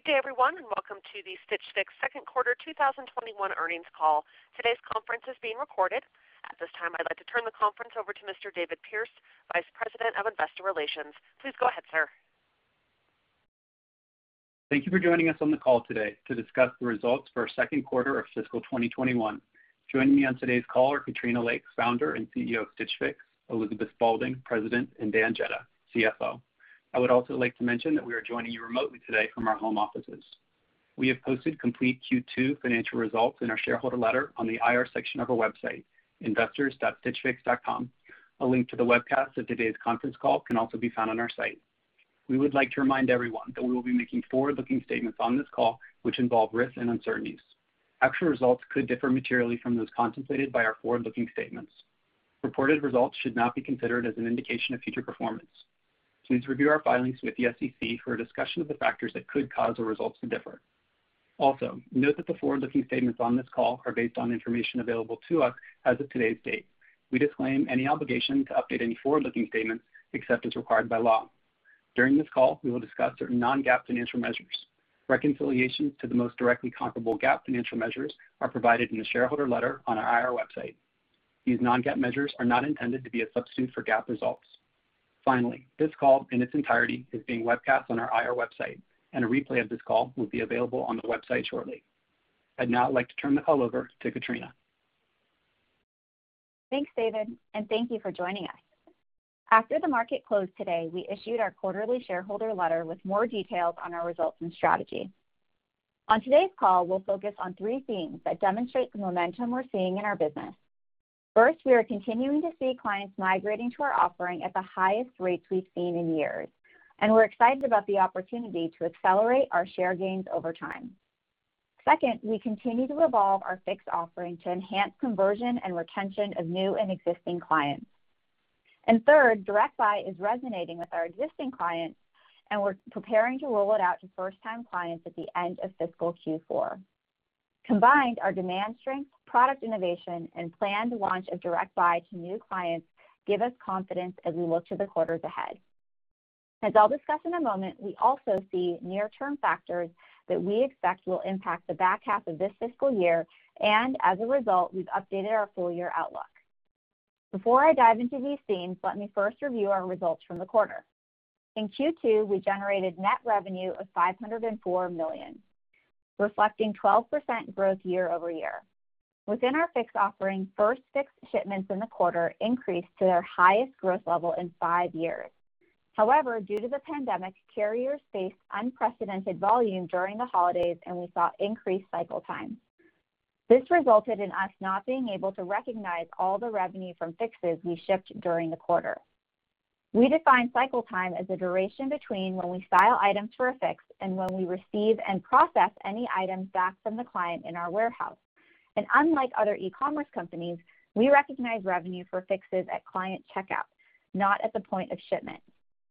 Good day, everyone, and welcome to the Stitch Fix second quarter 2021 earnings call. Today's conference is being recorded. At this time, I'd like to turn the conference over to Mr. David Pearce, Vice President of Investor Relations. Please go ahead, sir. Thank you for joining us on the call today to discuss the results for our second quarter of fiscal 2021. Joining me on today's call are Katrina Lake, founder and CEO of Stitch Fix, Elizabeth Spaulding, President, and Dan Jedda, CFO. I would also like to mention that we are joining you remotely today from our home offices. We have posted complete Q2 financial results in our shareholder letter on the IR section of our website, investors.stitchfix.com. A link to the webcast of today's conference call can also be found on our site. We would like to remind everyone that we will be making forward-looking statements on this call, which involve risks and uncertainties. Actual results could differ materially from those contemplated by our forward-looking statements. Reported results should not be considered as an indication of future performance. Please review our filings with the SEC for a discussion of the factors that could cause our results to differ. Note that the forward-looking statements on this call are based on information available to us as of today's date. We disclaim any obligation to update any forward-looking statements except as required by law. During this call, we will discuss certain non-GAAP financial measures. Reconciliations to the most directly comparable GAAP financial measures are provided in the shareholder letter on our IR website. These non-GAAP measures are not intended to be a substitute for GAAP results. Finally, this call in its entirety is being webcast on our IR website, and a replay of this call will be available on the website shortly. I'd now like to turn the call over to Katrina. Thanks, David, and thank you for joining us. After the market closed today, we issued our quarterly shareholder letter with more details on our results and strategy. On today's call, we'll focus on three themes that demonstrate the momentum we're seeing in our business. First, we are continuing to see clients migrating to our offering at the highest rates we've seen in years, and we're excited about the opportunity to accelerate our share gains over time. Second, we continue to evolve our Fix offering to enhance conversion and retention of new and existing clients. Third, Direct Buy is resonating with our existing clients, and we're preparing to roll it out to first-time clients at the end of fiscal Q4. Combined, our demand strength, product innovation, and planned launch of Direct Buy to new clients give us confidence as we look to the quarters ahead. As I'll discuss in a moment, we also see near-term factors that we expect will impact the back half of this fiscal year, and as a result, we've updated our full-year outlook. Before I dive into these themes, let me first review our results from the quarter. In Q2, we generated net revenue of $504 million, reflecting 12% growth year-over-year. Within our Fix offering, first Fix shipments in the quarter increased to their highest growth level in five years. However, due to the pandemic, carriers faced unprecedented volume during the holidays, and we saw increased cycle time. This resulted in us not being able to recognize all the revenue from Fixes we shipped during the quarter. We define cycle time as the duration between when we style items for a Fix and when we receive and process any items back from the client in our warehouse. Unlike other e-commerce companies, we recognize revenue for Fixes at client checkout, not at the point of shipment.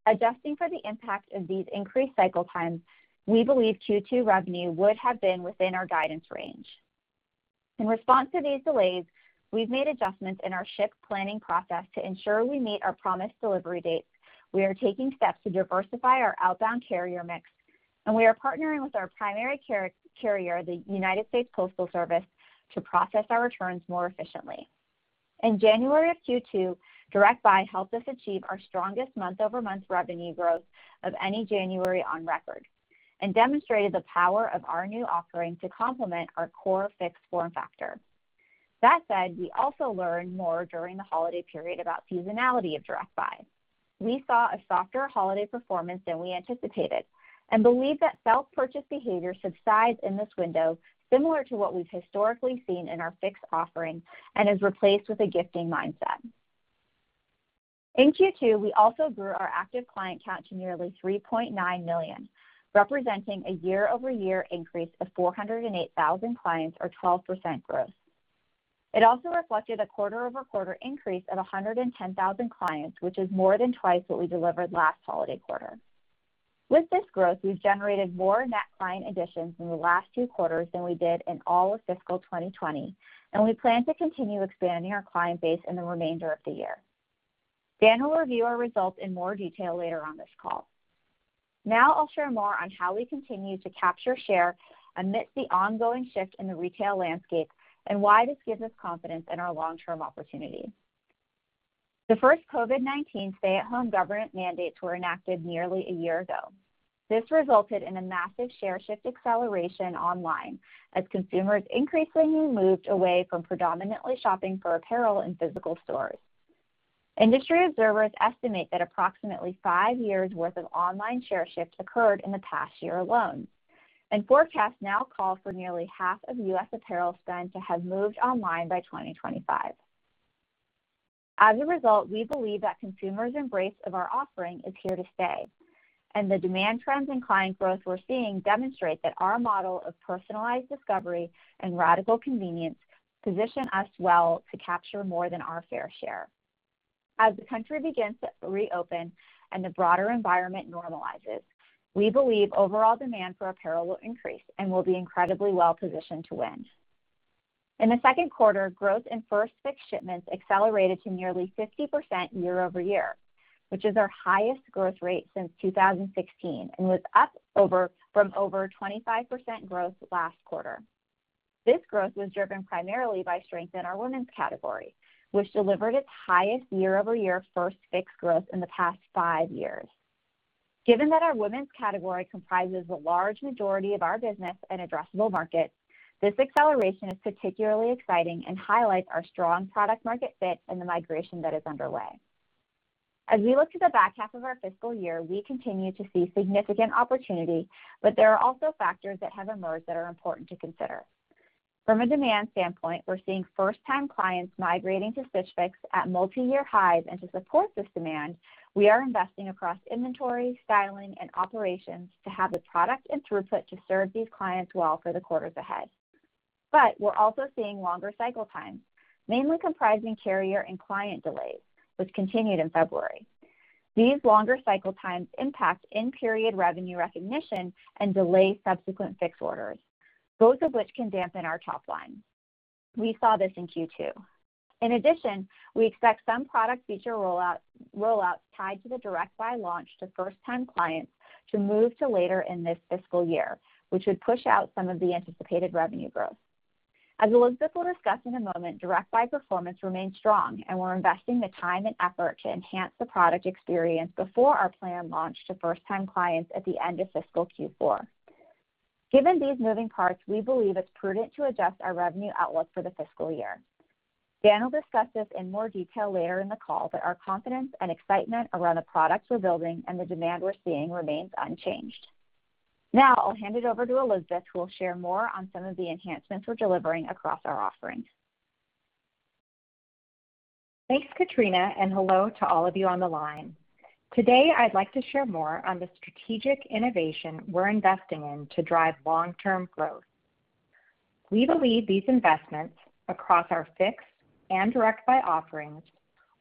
Adjusting for the impact of these increased cycle times, we believe Q2 revenue would have been within our guidance range. In response to these delays, we've made adjustments in our ship planning process to ensure we meet our promised delivery dates. We are taking steps to diversify our outbound carrier mix, and we are partnering with our primary carrier, the United States Postal Service, to process our returns more efficiently. In January of Q2, Direct Buy helped us achieve our strongest month-over-month revenue growth of any January on record and demonstrated the power of our new offering to complement our core Fix form factor. That said, we also learned more during the holiday period about seasonality of Direct Buy. We saw a softer holiday performance than we anticipated and believe that self-purchase behavior subsides in this window, similar to what we've historically seen in our Fix offering and is replaced with a gifting mindset. In Q2, we also grew our active client count to nearly 3.9 million, representing a year-over-year increase of 408,000 clients or 12% growth. It also reflected a quarter-over-quarter increase of 110,000 clients, which is more than twice what we delivered last holiday quarter. With this growth, we've generated more net client additions in the last two quarters than we did in all of fiscal 2020, and we plan to continue expanding our client base in the remainder of the year. Dan will review our results in more detail later on this call. Now, I'll share more on how we continue to capture share amidst the ongoing shift in the retail landscape and why this gives us confidence in our long-term opportunity. The first COVID-19 stay-at-home government mandates were enacted nearly a year ago. This resulted in a massive share shift acceleration online as consumers increasingly moved away from predominantly shopping for apparel in physical stores. Industry observers estimate that approximately five years' worth of online share shifts occurred in the past year alone, and forecasts now call for nearly half of U.S. apparel spend to have moved online by 2025. As a result, we believe that consumers' embrace of our offering is here to stay, and the demand trends and client growth we're seeing demonstrate that our model of personalized discovery and radical convenience position us well to capture more than our fair share. As the country begins to reopen and the broader environment normalizes, we believe overall demand for apparel will increase and we'll be incredibly well positioned to win. In the second quarter, growth in first Fix shipments accelerated to nearly 50% year-over-year, which is our highest growth rate since 2016, and was up from over 25% growth last quarter. This growth was driven primarily by strength in our women's category, which delivered its highest year-over-year first Fix growth in the past five years. Given that our women's category comprises a large majority of our business and addressable market, this acceleration is particularly exciting and highlights our strong product market fit and the migration that is underway. As we look to the back half of our fiscal year, we continue to see significant opportunity, but there are also factors that have emerged that are important to consider. From a demand standpoint, we're seeing first-time clients migrating to Stitch Fix at multi-year highs. To support this demand, we are investing across inventory, styling, and operations to have the product and throughput to serve these clients well for the quarters ahead. We're also seeing longer cycle times, mainly comprising carrier and client delays, which continued in February. These longer cycle times impact in-period revenue recognition and delay subsequent Fix orders, both of which can dampen our top line. We saw this in Q2. In addition, we expect some product feature rollouts tied to the Direct Buy launch to first-time clients to move to later in this fiscal year, which would push out some of the anticipated revenue growth. As Elizabeth will discuss in a moment, Direct Buy performance remains strong. We're investing the time and effort to enhance the product experience before our planned launch to first-time clients at the end of fiscal Q4. Given these moving parts, we believe it's prudent to adjust our revenue outlook for the fiscal year. Dan will discuss this in more detail later in the call. Our confidence and excitement around the product we're building and the demand we're seeing remains unchanged. I'll hand it over to Elizabeth, who will share more on some of the enhancements we're delivering across our offerings. Thanks, Katrina, and hello to all of you on the line. Today, I'd like to share more on the strategic innovation we're investing in to drive long-term growth. We believe these investments, across our Fix and Direct Buy offerings,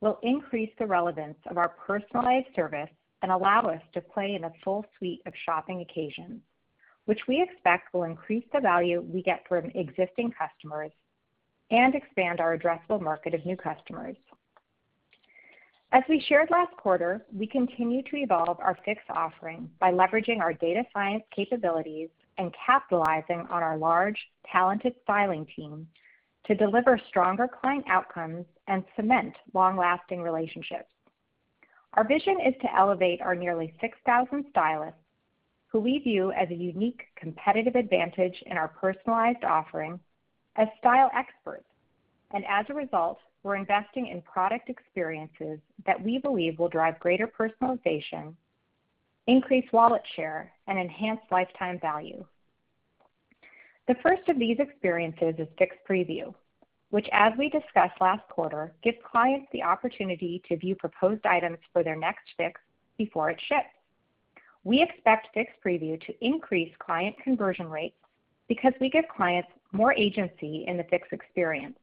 will increase the relevance of our personalized service and allow us to play in a full suite of shopping occasions, which we expect will increase the value we get from existing customers and expand our addressable market of new customers. As we shared last quarter, we continue to evolve our Fix offering by leveraging our data science capabilities and capitalizing on our large, talented styling team to deliver stronger client outcomes and cement long-lasting relationships. Our vision is to elevate our nearly 6,000 stylists, who we view as a unique competitive advantage in our personalized offering, as style experts. As a result, we're investing in product experiences that we believe will drive greater personalization, increase wallet share, and enhance lifetime value. The first of these experiences is Fix Preview, which as we discussed last quarter, gives clients the opportunity to view proposed items for their next Fix before it ships. We expect Fix Preview to increase client conversion rates because we give clients more agency in the Fix experience.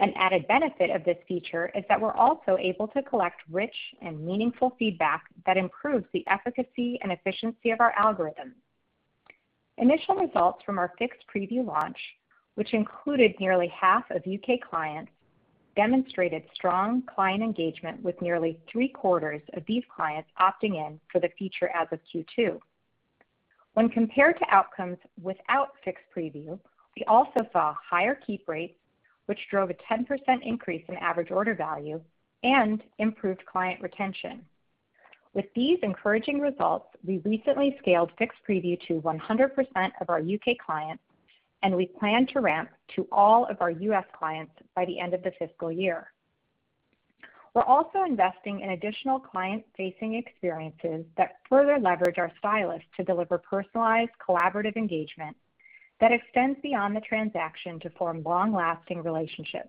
An added benefit of this feature is that we're also able to collect rich and meaningful feedback that improves the efficacy and efficiency of our algorithms. Initial results from our Fix Preview launch, which included nearly half of U.K. clients, demonstrated strong client engagement, with nearly three-quarters of these clients opting in for the feature as of Q2. When compared to outcomes without Fix Preview, we also saw higher keep rates, which drove a 10% increase in average order value and improved client retention. With these encouraging results, we recently scaled Fix Preview to 100% of our U.K. clients, and we plan to ramp to all of our U.S. clients by the end of the fiscal year. We're also investing in additional client-facing experiences that further leverage our stylists to deliver personalized, collaborative engagement that extends beyond the transaction to form long-lasting relationships.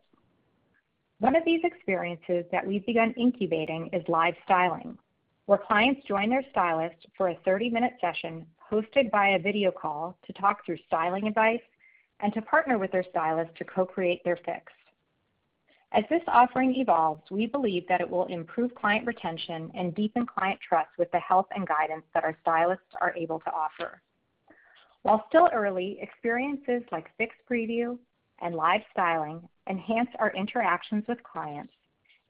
One of these experiences that we've begun incubating is Live Styling, where clients join their stylist for a 30-minute session, hosted by a video call, to talk through styling advice and to partner with their stylist to co-create their Fix. As this offering evolves, we believe that it will improve client retention and deepen client trust with the help and guidance that our stylists are able to offer. While still early, experiences like Fix Preview and Live Styling enhance our interactions with clients,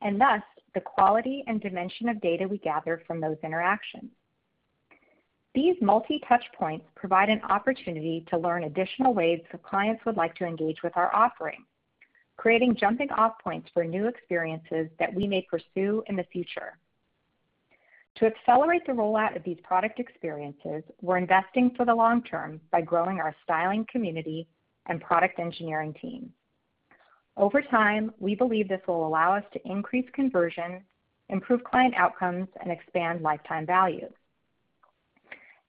and thus, the quality and dimension of data we gather from those interactions. These multi-touch points provide an opportunity to learn additional ways that clients would like to engage with our offering, creating jumping-off points for new experiences that we may pursue in the future. To accelerate the rollout of these product experiences, we're investing for the long term by growing our styling community and product engineering team. Over time, we believe this will allow us to increase conversion, improve client outcomes, and expand lifetime value.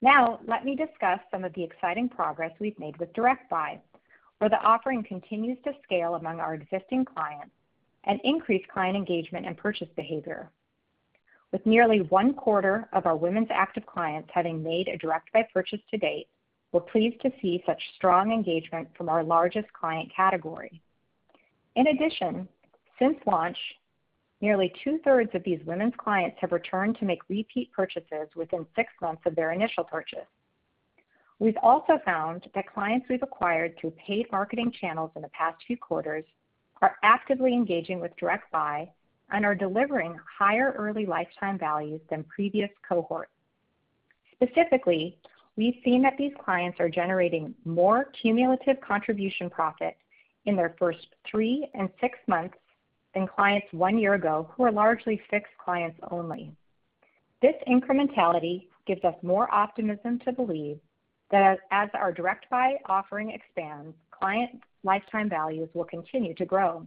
Let me discuss some of the exciting progress we've made with Direct Buy, where the offering continues to scale among our existing clients and increase client engagement and purchase behavior. With nearly one-quarter of our women's active clients having made a Direct Buy purchase to date, we're pleased to see such strong engagement from our largest client category. Since launch, nearly two-thirds of these women's clients have returned to make repeat purchases within six months of their initial purchase. We've also found that clients we've acquired through paid marketing channels in the past few quarters are actively engaging with Direct Buy and are delivering higher early lifetime values than previous cohorts. Specifically, we've seen that these clients are generating more cumulative contribution profit in their first three and six months than clients one year ago, who are largely Fix clients only. This incrementality gives us more optimism to believe that as our Direct Buy offering expands, client lifetime values will continue to grow.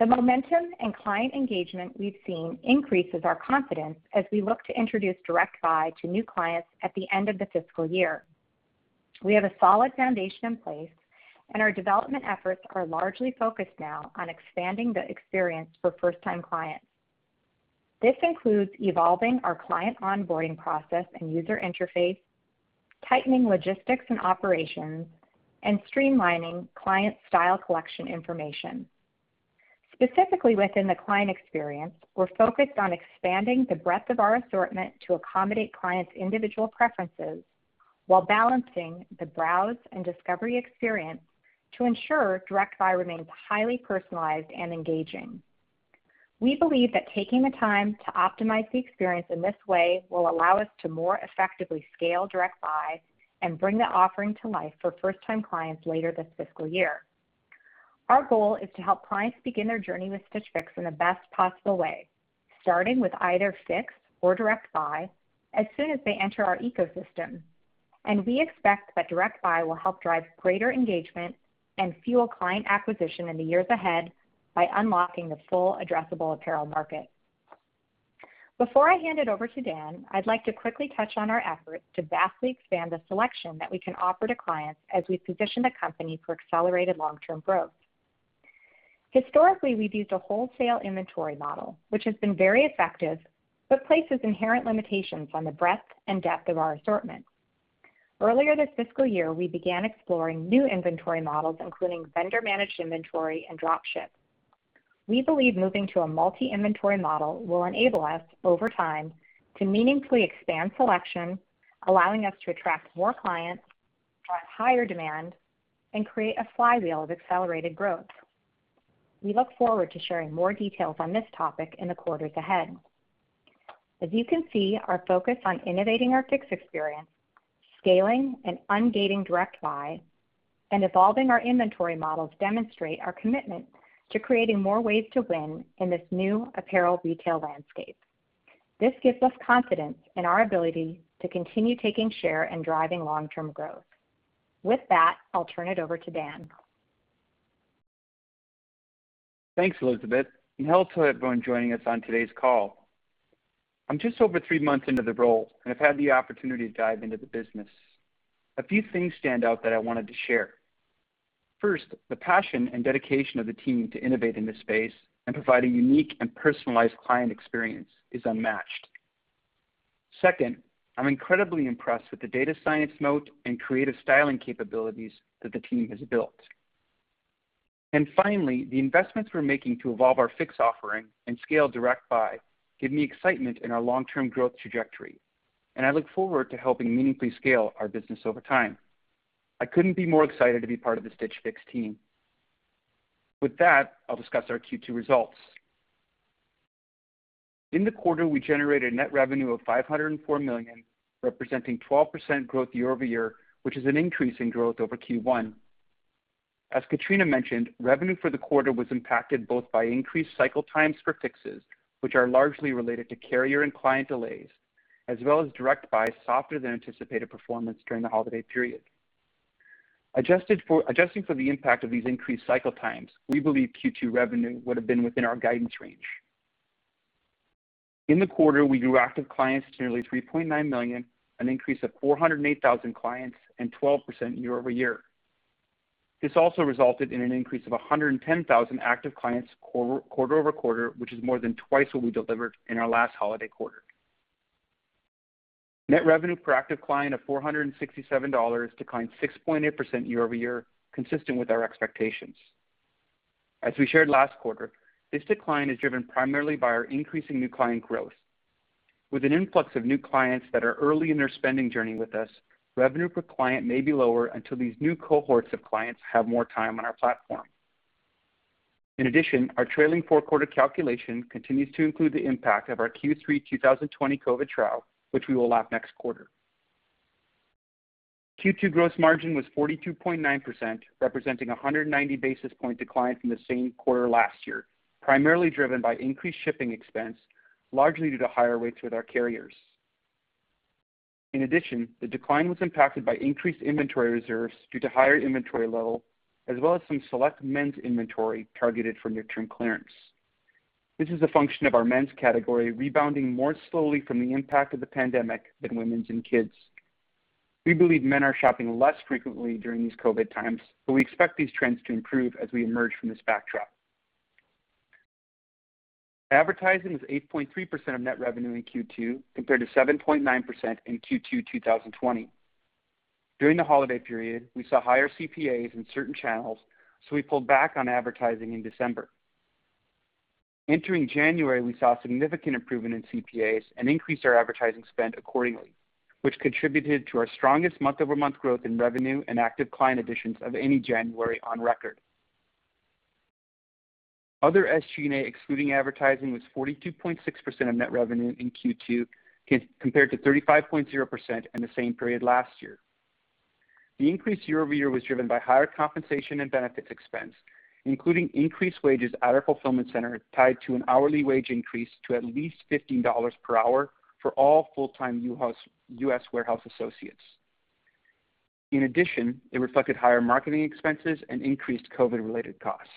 The momentum and client engagement we've seen increases our confidence as we look to introduce Direct Buy to new clients at the end of the fiscal year. We have a solid foundation in place, and our development efforts are largely focused now on expanding the experience for first-time clients. This includes evolving our client onboarding process and user interface, tightening logistics and operations, and streamlining client style collection information. Specifically within the client experience, we're focused on expanding the breadth of our assortment to accommodate clients' individual preferences while balancing the browse and discovery experience to ensure Direct Buy remains highly personalized and engaging. We believe that taking the time to optimize the experience in this way will allow us to more effectively scale Direct Buy and bring the offering to life for first-time clients later this fiscal year. Our goal is to help clients begin their journey with Stitch Fix in the best possible way, starting with either Fix or Direct Buy as soon as they enter our ecosystem. We expect that Direct Buy will help drive greater engagement and fuel client acquisition in the years ahead by unlocking the full addressable apparel market. Before I hand it over to Dan, I'd like to quickly touch on our efforts to vastly expand the selection that we can offer to clients as we position the company for accelerated long-term growth. Historically, we've used a wholesale inventory model, which has been very effective, but places inherent limitations on the breadth and depth of our assortment. Earlier this fiscal year, we began exploring new inventory models, including vendor-managed inventory and drop-ship. We believe moving to a multi-inventory model will enable us, over time, to meaningfully expand selection, allowing us to attract more clients, drive higher demand, and create a flywheel of accelerated growth. We look forward to sharing more details on this topic in the quarters ahead. As you can see, our focus on innovating our Fix experience, scaling and ungating Direct Buy, and evolving our inventory models demonstrate our commitment to creating more ways to win in this new apparel retail landscape. This gives us confidence in our ability to continue taking share and driving long-term growth. With that, I'll turn it over to Dan. Thanks, Elizabeth, and hello to everyone joining us on today's call. I'm just over three months into the role, and I've had the opportunity to dive into the business. A few things stand out that I wanted to share. First, the passion and dedication of the team to innovate in this space and provide a unique and personalized client experience is unmatched. Second, I'm incredibly impressed with the data science moat and creative styling capabilities that the team has built. Finally, the investments we're making to evolve our Fix offering and scale Direct Buy give me excitement in our long-term growth trajectory, and I look forward to helping meaningfully scale our business over time. I couldn't be more excited to be part of the Stitch Fix team. With that, I'll discuss our Q2 results. In the quarter, we generated net revenue of $504 million, representing 12% growth year-over-year, which is an increase in growth over Q1. As Katrina mentioned, revenue for the quarter was impacted both by increased cycle times for Fixes, which are largely related to carrier and client delays, as well as Direct Buy softer than anticipated performance during the holiday period. Adjusting for the impact of these increased cycle times, we believe Q2 revenue would've been within our guidance range. In the quarter, we grew active clients to nearly 3.9 million, an increase of 408,000 clients and 12% year-over-year. This also resulted in an increase of 110,000 active clients quarter-over-quarter, which is more than twice what we delivered in our last holiday quarter. Net revenue per active client of $467 declined 6.8% year-over-year, consistent with our expectations. As we shared last quarter, this decline is driven primarily by our increasing new client growth. With an influx of new clients that are early in their spending journey with us, revenue per client may be lower until these new cohorts of clients have more time on our platform. In addition, our trailing four-quarter calculation continues to include the impact of our Q3 2020 COVID trough, which we will lap next quarter. Q2 gross margin was 42.9%, representing 190 basis point decline from the same quarter last year, primarily driven by increased shipping expense, largely due to higher rates with our carriers. In addition, the decline was impacted by increased inventory reserves due to higher inventory level, as well as some select men's inventory targeted for near-term clearance. This is a function of our men's category rebounding more slowly from the impact of the pandemic than women's and kids. We believe men are shopping less frequently during these COVID times, but we expect these trends to improve as we emerge from this backdrop. Advertising was 8.3% of net revenue in Q2, compared to 7.9% in Q2 2020. During the holiday period, we saw higher CPAs in certain channels, so we pulled back on advertising in December. Entering January, we saw a significant improvement in CPAs and increased our advertising spend accordingly, which contributed to our strongest month-over-month growth in revenue and active client additions of any January on record. Other SG&A excluding advertising was 42.6% of net revenue in Q2, compared to 35.0% in the same period last year. The increase year-over-year was driven by higher compensation and benefits expense, including increased wages at our fulfillment center tied to an hourly wage increase to at least $15 per hour for all full-time U.S. warehouse associates. In addition, it reflected higher marketing expenses and increased COVID-related costs.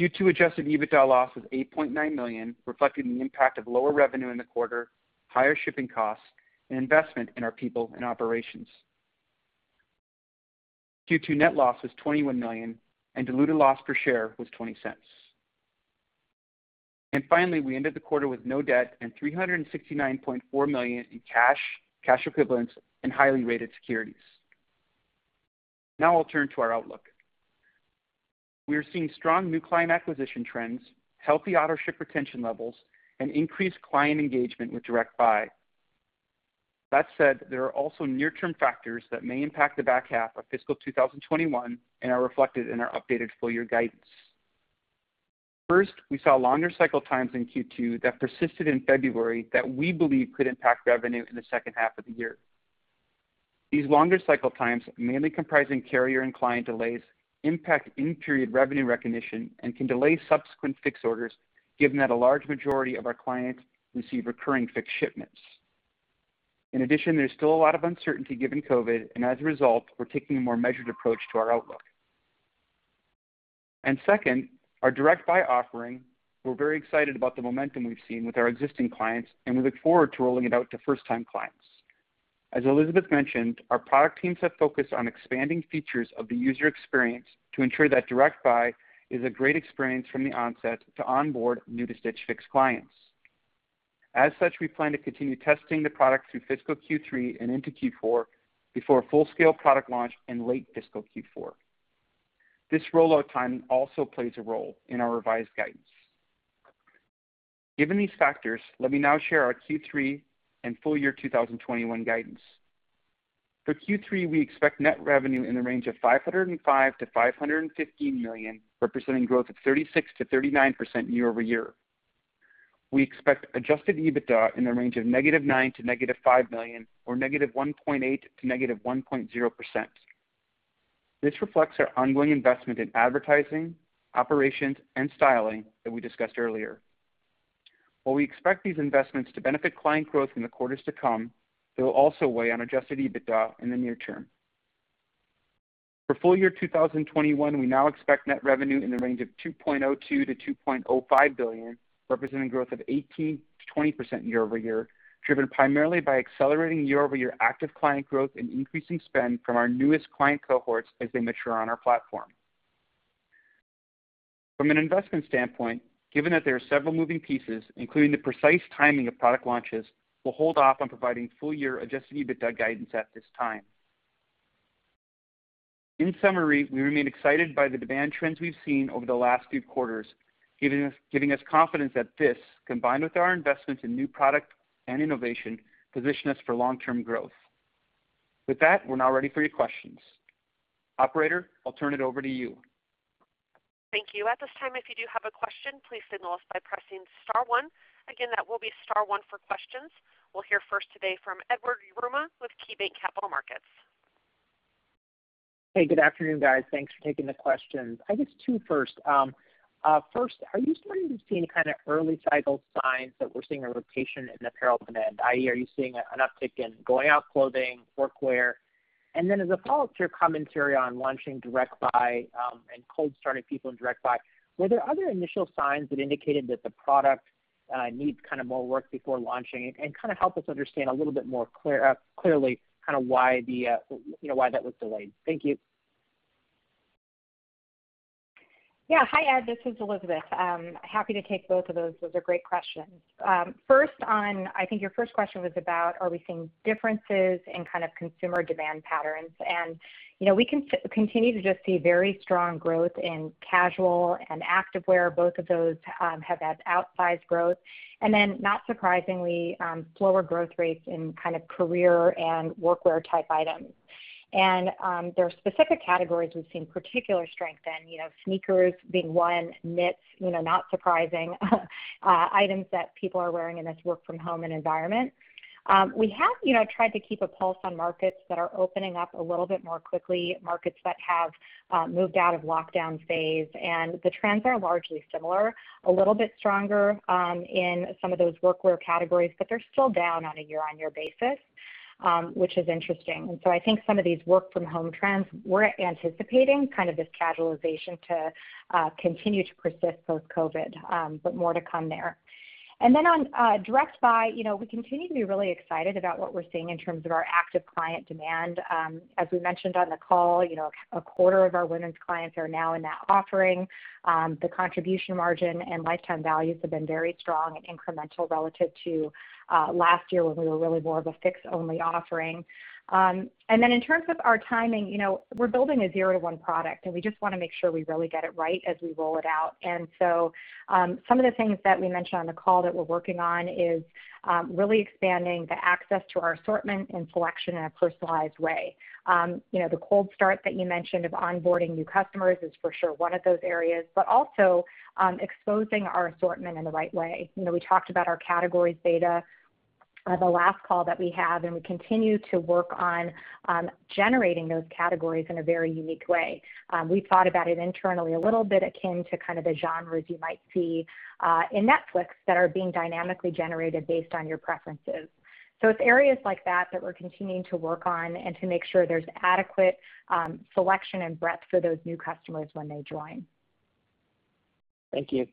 Q2 adjusted EBITDA loss was $8.9 million, reflecting the impact of lower revenue in the quarter, higher shipping costs, and investment in our people and operations. Q2 net loss was $21 million and diluted loss per share was $0.20. Finally, we ended the quarter with no debt and $369.4 million in cash equivalents, and highly rated securities. Now I'll turn to our outlook. We are seeing strong new client acquisition trends, healthy auto-ship retention levels, and increased client engagement with Direct Buy. That said, there are also near-term factors that may impact the back half of fiscal 2021 and are reflected in our updated full-year guidance. First, we saw longer cycle times in Q2 that persisted in February that we believe could impact revenue in the second half of the year. These longer cycle times, mainly comprising carrier and client delays, impact in-period revenue recognition and can delay subsequent Fix orders, given that a large majority of our clients receive recurring Fix shipments. In addition, there's still a lot of uncertainty given COVID, and as a result, we're taking a more measured approach to our outlook. Second, our Direct Buy offering, we're very excited about the momentum we've seen with our existing clients, and we look forward to rolling it out to first-time clients. As Elizabeth mentioned, our product teams have focused on expanding features of the user experience to ensure that Direct Buy is a great experience from the onset to onboard new-to-Stitch Fix clients. As such, we plan to continue testing the product through fiscal Q3 and into Q4 before a full-scale product launch in late fiscal Q4. This rollout timing also plays a role in our revised guidance. Given these factors, let me now share our Q3 and Full Year 2021 guidance. For Q3, we expect net revenue in the range of $505million- $515 million, representing growth of 36% to 39% year-over-year. We expect adjusted EBITDA in the range of -$9million to -$5 million, or - 1.8% to - 1.0%. This reflects our ongoing investment in advertising, operations, and styling that we discussed earlier. While we expect these investments to benefit client growth in the quarters to come, they will also weigh on adjusted EBITDA in the near term. For FullYear 2021, we now expect net revenue in the range of $2.02 billion-$2.05 billion, representing growth of 18%-20% year-over-year, driven primarily by accelerating year-over-year active client growth and increasing spend from our newest client cohorts as they mature on our platform. From an investment standpoint, given that there are several moving pieces, including the precise timing of product launches, we'll hold off on providing full-year adjusted EBITDA guidance at this time. In summary, we remain excited by the demand trends we've seen over the last few quarters, giving us confidence that this, combined with our investments in new product and innovation, position us for long-term growth. With that, we're now ready for your questions. Operator, I'll turn it over to you. Thank you. At this segment should you have a question please signal by pressing star one. Again we'll Press star one for questions. We'll hear first today from Edward Yruma with KeyBanc Capital Markets. Hey, good afternoon, guys. Thanks for taking the questions. I guess two first. First, are you starting to see any kind of early cycle signs that we're seeing a rotation in apparel demand, i.e., are you seeing an uptick in going-out clothing, workwear? Then as a follow-up to your commentary on launching Direct Buy and cold starting people in Direct Buy, were there other initial signs that indicated that the product needs more work before launching? Help us understand a little bit more clearly why that was delayed. Thank you. Yeah. Hi, Ed. This is Elizabeth. Happy to take both of those. Those are great questions. First, I think your first question was about, are we seeing differences in kind of consumer demand patterns? We continue to just see very strong growth in casual and activewear. Both of those have had outsized growth. Then, not surprisingly, slower growth rates in career and workwear type items. There are specific categories we've seen particular strength in, sneakers being one, knits, not surprising items that people are wearing in this work from home environment. We have tried to keep a pulse on markets that are opening up a little bit more quickly, markets that have moved out of lockdown phase, and the trends are largely similar. A little bit stronger in some of those workwear categories, but they're still down on a year-over-year basis, which is interesting. I think some of these work from home trends, we're anticipating kind of this casualization to continue to persist post-COVID, but more to come there. On Direct Buy, we continue to be really excited about what we're seeing in terms of our active client demand. As we mentioned on the call, a quarter of our women's clients are now in that offering. The contribution margin and lifetime values have been very strong and incremental relative to last year when we were really more of a Fix only offering. In terms of our timing, we're building a zero to one product, and we just want to make sure we really get it right as we roll it out. Some of the things that we mentioned on the call that we're working on is really expanding the access to our assortment and selection in a personalized way. The cold start that you mentioned of onboarding new customers is for sure one of those areas, but also exposing our assortment in the right way. We talked about our categories data on the last call that we had. We continue to work on generating those categories in a very unique way. We thought about it internally, a little bit akin to kind of the genres you might see in Netflix that are being dynamically generated based on your preferences. It's areas like that that we're continuing to work on and to make sure there's adequate selection and breadth for those new customers when they join. Thank you.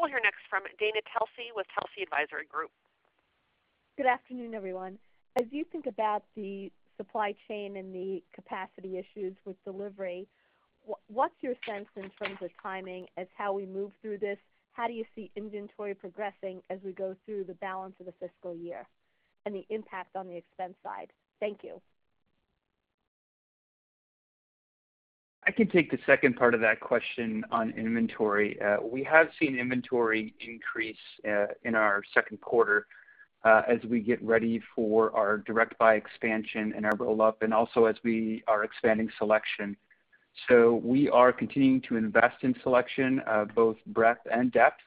We'll hear next from Dana Telsey with Telsey Advisory Group. Good afternoon, everyone. As you think about the supply chain and the capacity issues with delivery, what's your sense in terms of timing as how we move through this? How do you see inventory progressing as we go through the balance of the fiscal year, and the impact on the expense side? Thank you. I can take the second part of that question on inventory. We have seen inventory increase in our second quarter as we get ready for our Direct Buy expansion and our roll-up, and also as we are expanding selection. We are continuing to invest in selection, both breadth and depth,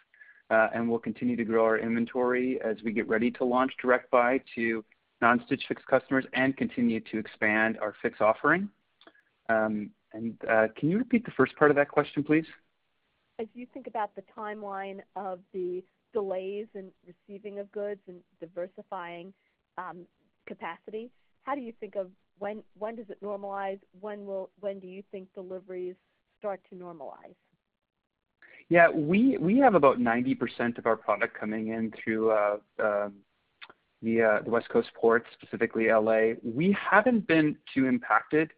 and we'll continue to grow our inventory as we get ready to launch Direct Buy to non-Stitch Fix customers and continue to expand our Fix offering. Can you repeat the first part of that question, please? As you think about the timeline of the delays in receiving of goods and diversifying capacity, how do you think of when does it normalize? When do you think deliveries start to normalize? Yeah. We have about 90% of our product coming in through the West Coast ports, specifically L.A. We haven't been too impacted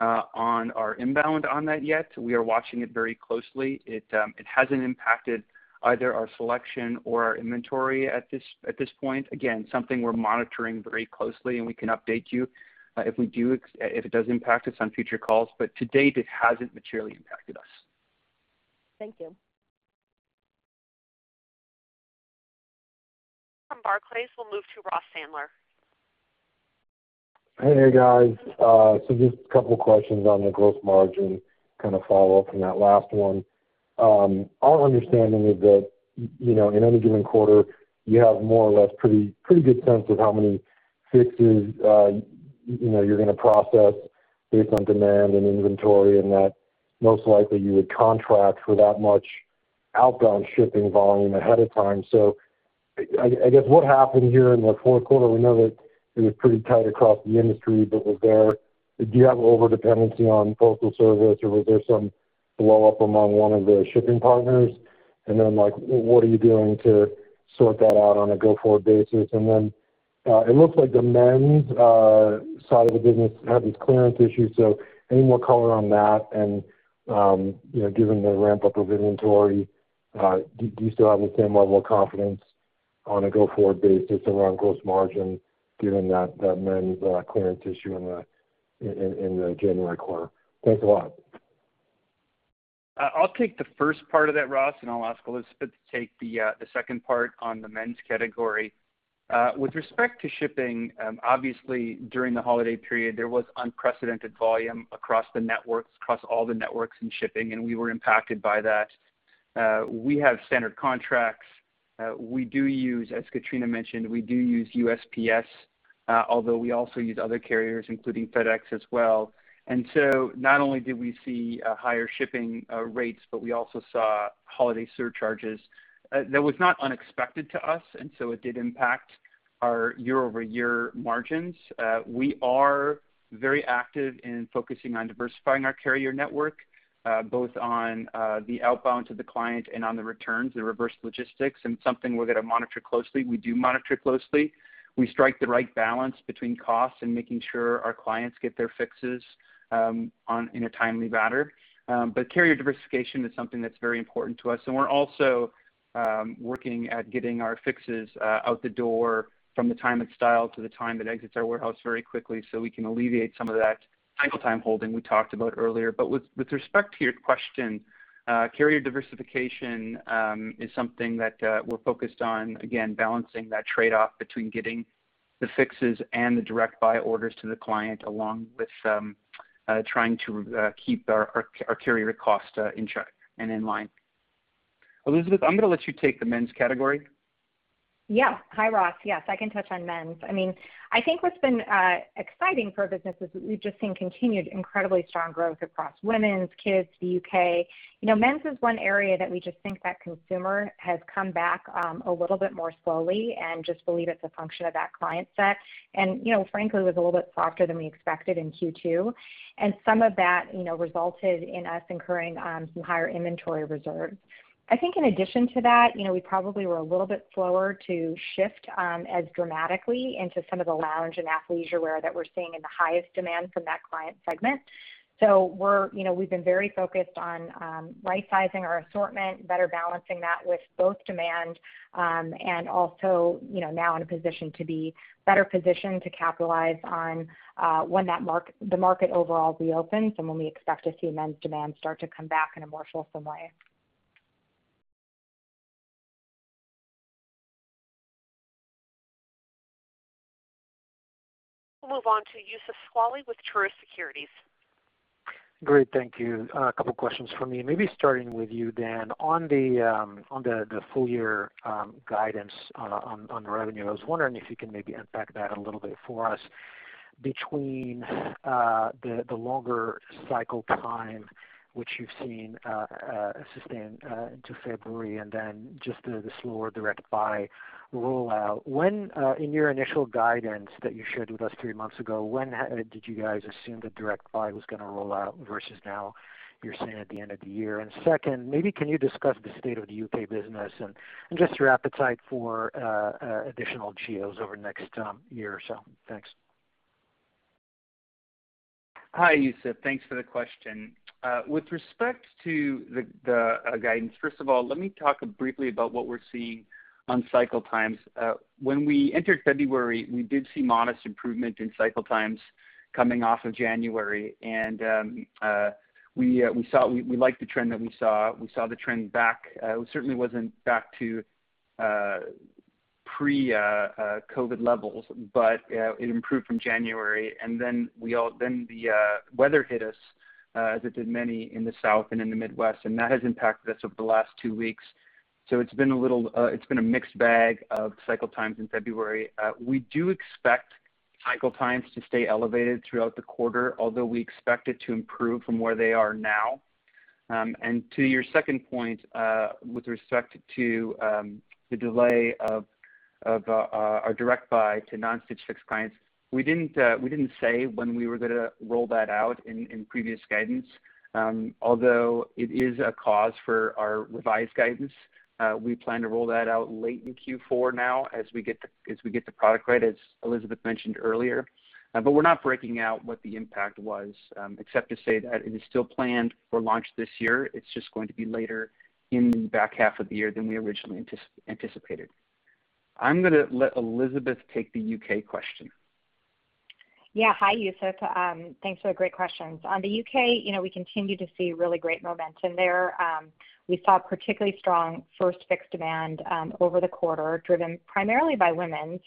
on our inbound on that yet. We are watching it very closely. It hasn't impacted either our selection or our inventory at this point. Again, something we're monitoring very closely, and we can update you if it does impact us on future calls. To date, it hasn't materially impacted us. Thank you. From Barclays, we'll move to Ross Sandler. Hey, guys. Just a couple of questions on the gross margin, kind of follow up from that last one. Our understanding is that in any given quarter, you have more or less a pretty good sense of how many Fixes you're going to process based on demand and inventory, and that most likely you would contract for that much outbound shipping volume ahead of time. I guess what happened here in the fourth quarter? We know that it was pretty tight across the industry, but did you have overdependency on Postal Service, or was there some blow up among one of the shipping partners? What are you doing to sort that out on a go-forward basis? It looks like the men's side of the business had these clearance issues, so any more color on that? Given the ramp up of inventory, do you still have the same level of confidence on a go-forward basis around gross margin given that men's clearance issue in the January quarter? Thanks a lot. I'll take the first part of that, Ross, and I'll ask Elizabeth to take the second part on the men's category. With respect to shipping, obviously, during the holiday period, there was unprecedented volume across all the networks and shipping, and we were impacted by that. We have standard contracts. We do use, as Katrina mentioned, we do use USPS, although we also use other carriers, including FedEx as well. Not only did we see higher shipping rates, but we also saw holiday surcharges. That was not unexpected to us, and so it did impact our year-over-year margins. We are very active in focusing on diversifying our carrier network, both on the outbound to the client and on the returns, the reverse logistics. Something we're going to monitor closely. We do monitor closely. We strike the right balance between costs and making sure our clients get their Fixes in a timely manner. Carrier diversification is something that's very important to us, and we're also working at getting our Fixes out the door from the time it's styled to the time it exits our warehouse very quickly, so we can alleviate some of that cycle time holding we talked about earlier. With respect to your question, carrier diversification is something that we're focused on, again, balancing that trade-off between getting the Fixes and the Direct Buy orders to the client, along with trying to keep our carrier costs in check and in line. Elizabeth, I'm going to let you take the men's category. Hi, Ross. Yes, I can touch on men's. I think what's been exciting for our business is we've just seen continued incredibly strong growth across women's, kids, the U.K. Men's is one area that we just think that consumer has come back a little bit more slowly and just believe it's a function of that client set. Frankly, was a little bit softer than we expected in Q2. Some of that resulted in us incurring some higher inventory reserves. I think in addition to that, we probably were a little bit slower to shift as dramatically into some of the lounge and athleisure wear that we're seeing in the highest demand from that client segment. We've been very focused on right-sizing our assortment, better balancing that with both demand, and also now in a position to be better positioned to capitalize on when the market overall reopens and when we expect to see men's demand start to come back in a more fulsome way. We'll move on to Youssef Squali with Truist Securities. Great. Thank you. A couple questions from me. Maybe starting with you, Dan, on the full year guidance on revenue, I was wondering if you can maybe unpack that a little bit for us between the longer cycle time which you've seen sustain into February and then just the slower Direct Buy rollout. In your initial guidance that you shared with us three months ago, when did you guys assume that Direct Buy was going to roll out versus now you're saying at the end of the year? Second, maybe can you discuss the state of the U.K. business and just your appetite for additional geos over the next year or so? Thanks. Hi, Youssef. Thanks for the question. With respect to the guidance, first of all, let me talk briefly about what we're seeing on cycle times. When we entered February, we did see modest improvement in cycle times coming off of January, and we liked the trend that we saw. We saw the trend back. It certainly wasn't back to pre-COVID levels, but it improved from January. The weather hit us, as it did many in the South and in the Midwest, and that has impacted us over the last two weeks. It's been a mixed bag of cycle times in February. We do expect cycle times to stay elevated throughout the quarter, although we expect it to improve from where they are now. To your second point, with respect to the delay of our Direct Buy to non-Stitch Fix clients, we didn't say when we were going to roll that out in previous guidance. Although it is a cause for our revised guidance, we plan to roll that out late in Q4 now as we get the product right, as Elizabeth mentioned earlier. We're not breaking out what the impact was, except to say that it is still planned for launch this year. It's just going to be later in the back half of the year than we originally anticipated. I'm going to let Elizabeth take the U.K. question. Hi, Youssef. Thanks for the great questions. On the U.K., we continue to see really great momentum there. We saw particularly strong first Fix demand over the quarter, driven primarily by women's.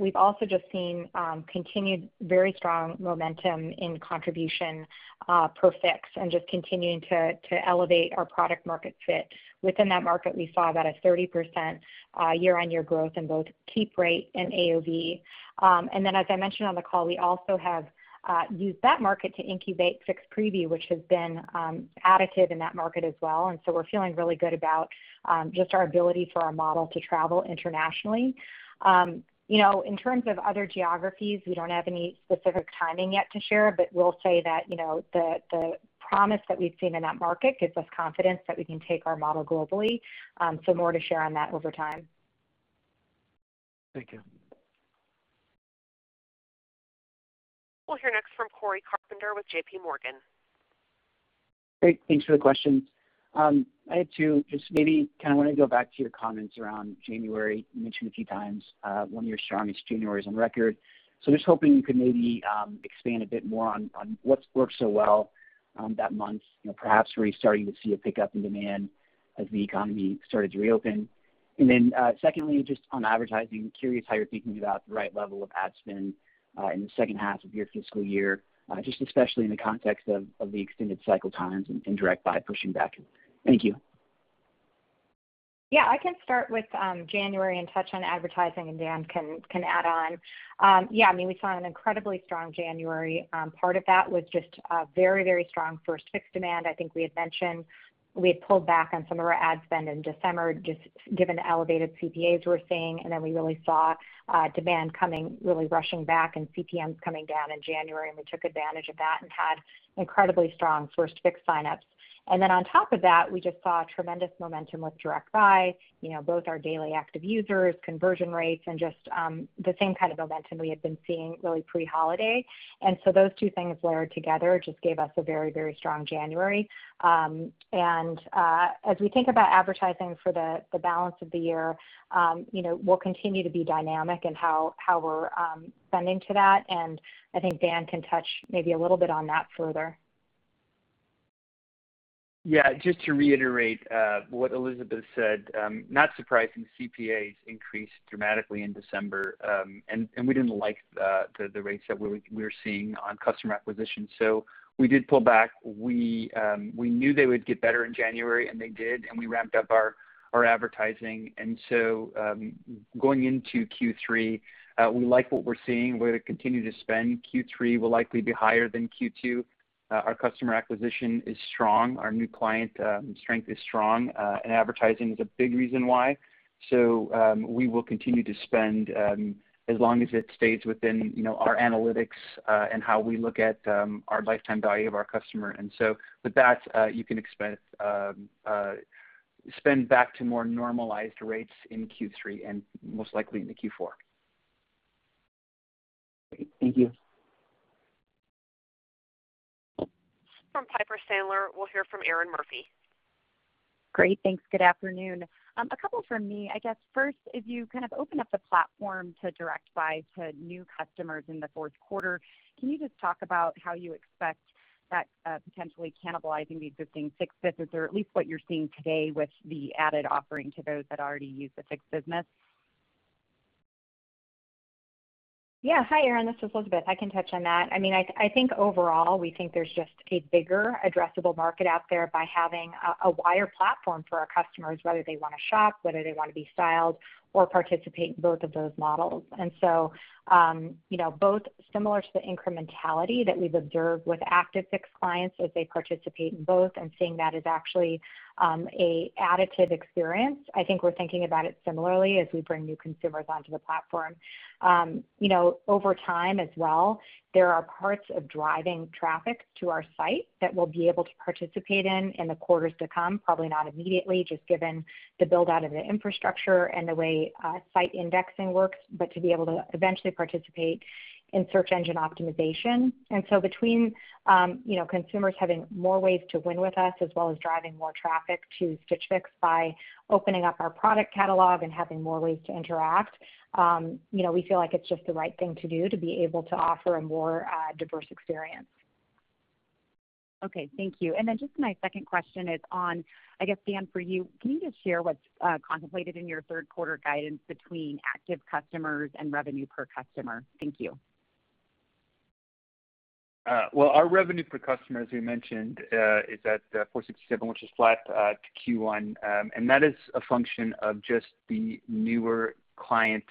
We've also just seen continued very strong momentum in contribution per Fix and just continuing to elevate our product market fit. Within that market, we saw about a 30% year-on-year growth in both keep rate and AOV. Then, as I mentioned on the call, we also have used that market to incubate Fix Preview, which has been additive in that market as well. So we're feeling really good about just our ability for our model to travel internationally. In terms of other geographies, we don't have any specific timing yet to share, but we'll say that the promise that we've seen in that market gives us confidence that we can take our model globally. More to share on that over time. Thank you. We'll hear next from Cory Carpenter with JPMorgan. Great. Thanks for the question. I had two. Maybe kind of want to go back to your comments around January. You mentioned a few times one of your strongest Januaries on record. I'm just hoping you could maybe expand a bit more on what's worked so well that month. Perhaps were you starting to see a pickup in demand as the economy started to reopen? Secondly, just on advertising, curious how you're thinking about the right level of ad spend in the second half of your fiscal year, just especially in the context of the extended cycle times and Direct Buy pushing back. Thank you. I can start with January and touch on advertising, and Dan can add on. We saw an incredibly strong January. Part of that was just a very strong first Fix demand. I think we had mentioned we had pulled back on some of our ad spend in December, just given the elevated CPAs we were seeing. We really saw demand coming, really rushing back and CPMs coming down in January, and we took advantage of that and had incredibly strong first Fix sign-ups. On top of that, we just saw tremendous momentum with Direct Buy, both our daily active users, conversion rates, and just the same kind of momentum we had been seeing really pre-holiday. Those two things layered together just gave us a very strong January. As we think about advertising for the balance of the year, we'll continue to be dynamic in how we're spending to that, and I think Dan can touch maybe a little bit on that further. Just to reiterate what Elizabeth said, not surprising, CPAs increased dramatically in December. We didn't like the rates that we were seeing on customer acquisition. We did pull back. We knew they would get better in January. They did. We ramped up our advertising. Going into Q3, we like what we're seeing. We're going to continue to spend. Q3 will likely be higher than Q2. Our customer acquisition is strong. Our new client strength is strong. Advertising is a big reason why. We will continue to spend as long as it stays within our analytics, how we look at our lifetime value of our customer. With that, you can spend back to more normalized rates in Q3 and most likely into Q4. Great. Thank you. From Piper Sandler, we'll hear from Erinn Murphy. Great. Thanks. Good afternoon. A couple from me. I guess first, if you kind of open up the platform to Direct Buy to new customers in the fourth quarter, can you just talk about how you expect that potentially cannibalizing the existing Fixes, or at least what you're seeing today with the added offering to those that already use the Fixes? Yeah. Hi, Erinn, this is Elizabeth. I can touch on that. I think overall, we think there's just a bigger addressable market out there by having a wider platform for our customers, whether they want to shop, whether they want to be styled or participate in both of those models. Both similar to the incrementality that we've observed with active Fix clients as they participate in both and seeing that as actually an additive experience. I think we're thinking about it similarly as we bring new consumers onto the platform. Over time as well, there are parts of driving traffic to our site that we'll be able to participate in in the quarters to come. Probably not immediately, just given the build-out of the infrastructure and the way site indexing works, but to be able to eventually participate in search engine optimization. Between consumers having more ways to win with us, as well as driving more traffic to Stitch Fix by opening up our product catalog and having more ways to interact, we feel like it's just the right thing to do to be able to offer a more diverse experience. Okay. Thank you. Just my second question is on, I guess, Dan, for you. Can you just share what's contemplated in your third quarter guidance between active customers and revenue per customer? Thank you. Our revenue per customer, as we mentioned, is at $467, which is flat to Q1, and that is a function of just the newer client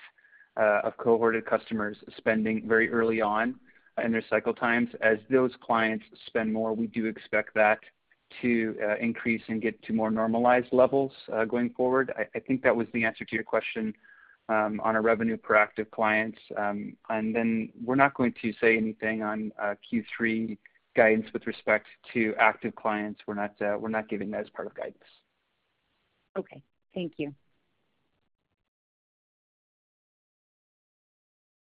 of cohorted customers spending very early on in their cycle times. As those clients spend more, we do expect that to increase and get to more normalized levels going forward. I think that was the answer to your question on a revenue per active client. We're not going to say anything on Q3 guidance with respect to active clients. We're not giving that as part of guidance. Okay. Thank you.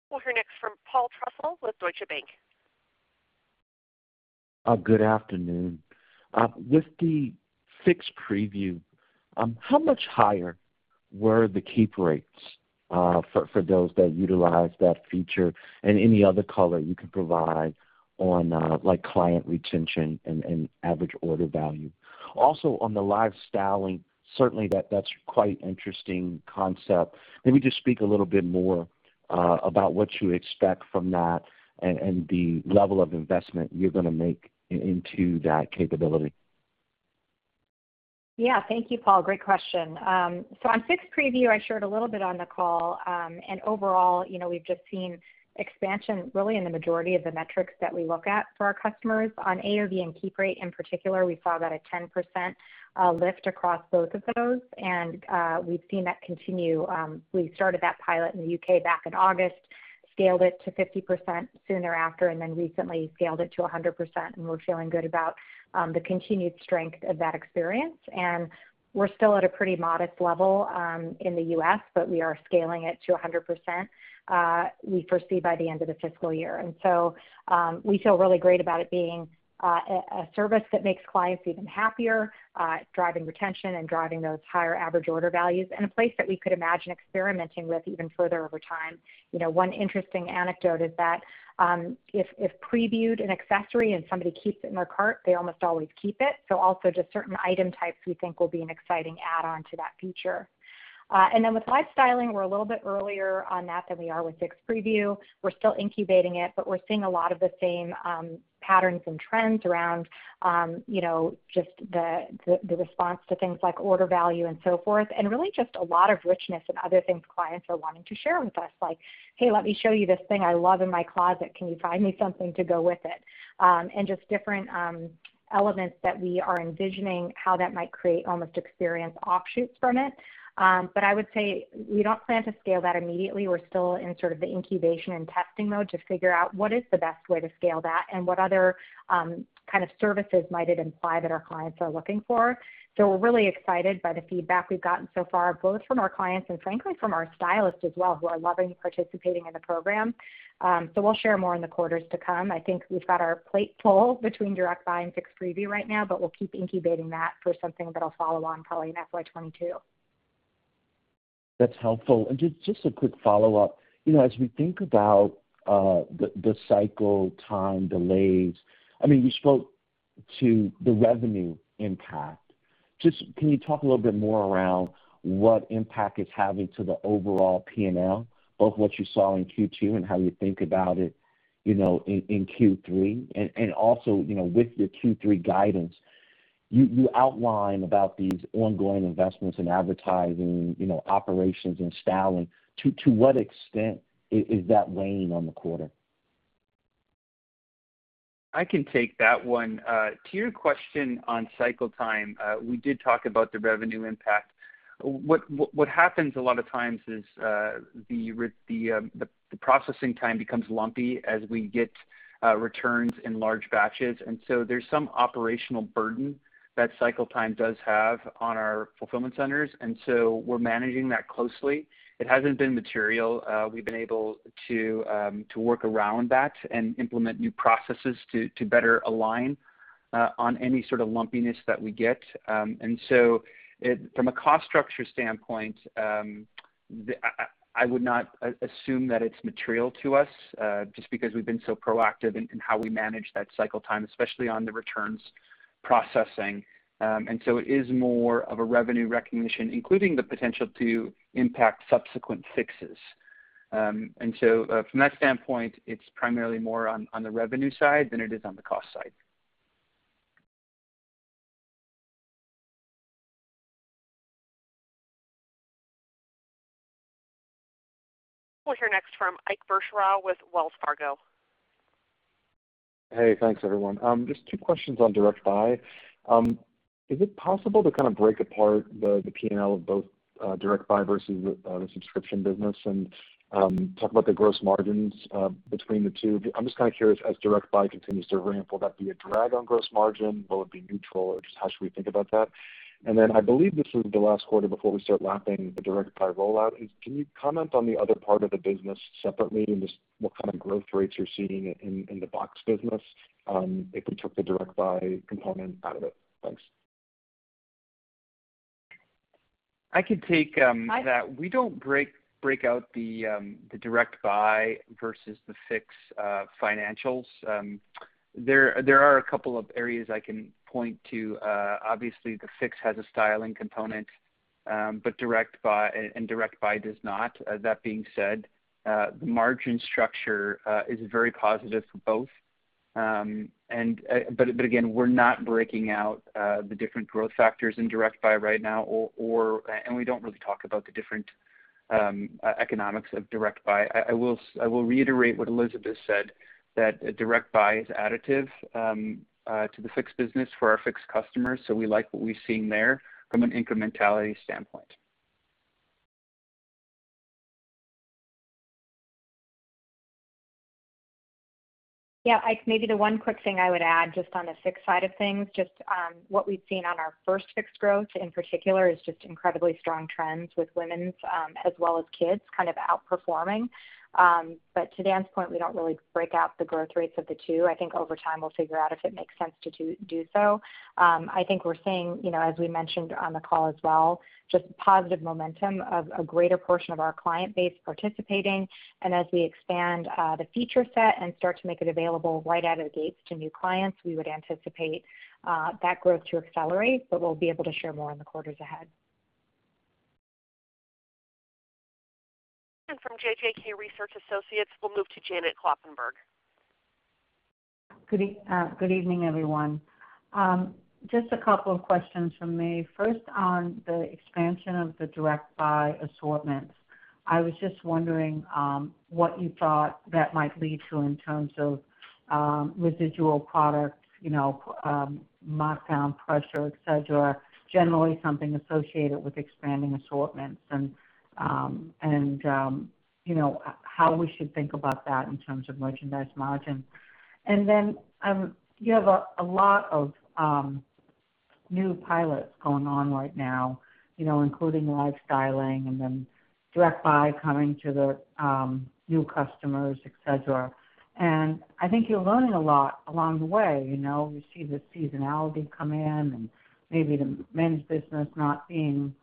We'll hear next from Paul Trussell with Deutsche Bank. Good afternoon. With the Fix Preview, how much higher were the keep rates, for those that utilized that feature and any other color you could provide on client retention and average order value? On the Live Styling, certainly that's quite interesting concept. Maybe just speak a little bit more about what you expect from that and the level of investment you're going to make into that capability? Thank you, Paul. Great question. On Fix Preview, I shared a little bit on the call. Overall, we've just seen expansion really in the majority of the metrics that we look at for our customers. On AOV and keep rate in particular, we saw about a 10% lift across both of those. We've seen that continue. We started that pilot in the U.K. back in August, scaled it to 50% soon thereafter. Recently scaled it to 100%. We're feeling good about the continued strength of that experience. We're still at a pretty modest level in the U.S. We are scaling it to 100%, we foresee by the end of the fiscal year. We feel really great about it being a service that makes clients even happier, driving retention and driving those higher average order values in a place that we could imagine experimenting with even further over time. One interesting anecdote is that, if previewed an accessory and somebody keeps it in their cart, they almost always keep it. Also just certain item types we think will be an exciting add-on to that feature. Then with Live Styling, we're a little bit earlier on that than we are with Fix Preview. We're still incubating it, but we're seeing a lot of the same patterns and trends around just the response to things like order value and so forth, and really just a lot of richness and other things clients are wanting to share with us, like, "Hey, let me show you this thing I love in my closet. Can you find me something to go with it?" Just different elements that we are envisioning how that might create almost experience offshoots from it. I would say we don't plan to scale that immediately. We're still in sort of the incubation and testing mode to figure out what is the best way to scale that, and what other kind of services might it imply that our clients are looking for. We're really excited by the feedback we've gotten so far, both from our clients and frankly from our stylists as well, who are loving participating in the program. We'll share more in the quarters to come. I think we've got our plate full between Direct Buy and Fix Preview right now, but we'll keep incubating that for something that'll follow on probably in FY 2022. That's helpful. Just a quick follow-up. As we think about the cycle time delays, you spoke to the revenue impact. Can you talk a little bit more around what impact it's having to the overall P&L, both what you saw in Q2 and how you think about it in Q3? Also, with your Q3 guidance, you outline about these ongoing investments in advertising, operations, and styling. To what extent is that weighing on the quarter? I can take that one. To your question on cycle time, we did talk about the revenue impact. What happens a lot of times is the processing time becomes lumpy as we get returns in large batches. There's some operational burden that cycle time does have on our fulfillment centers, we're managing that closely. It hasn't been material. We've been able to work around that and implement new processes to better align on any sort of lumpiness that we get. From a cost structure standpoint, I would not assume that it's material to us, just because we've been so proactive in how we manage that cycle time, especially on the returns processing. It is more of a revenue recognition, including the potential to impact subsequent Fixes. From that standpoint, it's primarily more on the revenue side than it is on the cost side. We'll hear next from Ike Boruchow with Wells Fargo. Hey, thanks everyone. Just two questions on Direct Buy. Is it possible to kind of break apart the P&L of both Direct Buy versus the subscription business and talk about the gross margins between the two? I'm just kind of curious, as Direct Buy continues to ramp, will that be a drag on gross margin? Will it be neutral? Just how should we think about that? I believe this was the last quarter before we start lapping the Direct Buy rollout. Can you comment on the other part of the business separately and just what kind of growth rates you're seeing in the box business if we took the Direct Buy component out of it? Thanks. I can take that. We don't break out the Direct Buy versus the Fix financials. There are a couple of areas I can point to. Obviously, the Fix has a styling component, and Direct Buy does not. That being said, the margin structure is very positive for both. Again, we're not breaking out the different growth factors in Direct Buy right now, and we don't really talk about the different economics of Direct Buy. I will reiterate what Elizabeth said, that Direct Buy is additive to the Fix business for our Fix customers. We like what we're seeing there from an incrementality standpoint. Yeah, Ike, maybe the one quick thing I would add, just on the Fix side of things, just what we've seen on our first Fix growth in particular is just incredibly strong trends with women's as well as kids kind of outperforming. To Dan's point, we don't really break out the growth rates of the two. I think over time, we'll figure out if it makes sense to do so. I think we're seeing, as we mentioned on the call as well, just positive momentum of a greater portion of our client base participating. As we expand the feature set and start to make it available right out of the gates to new clients, we would anticipate that growth to accelerate, but we'll be able to share more in the quarters ahead. From JJK Research Associates, we'll move to Janet Kloppenburg. Good evening, everyone. Just a couple of questions from me. First, on the expansion of the Direct Buy assortments. I was just wondering what you thought that might lead to in terms of residual product markdown pressure, et cetera, generally something associated with expanding assortments, and how we should think about that in terms of merchandise margin. You have a lot of new pilots going on right now, including the Live Styling and then Direct Buy coming to the new customers, et cetera. I think you're learning a lot along the way. We see the seasonality come in and maybe the men's business not being